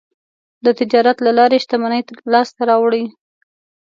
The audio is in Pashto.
د تجارت له لارې شتمني لاسته راوړي.